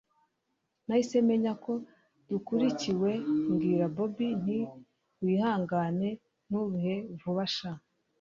nahise menya ko dukurikiwe mbwira bobi nti wihangane nturuhe vuba sha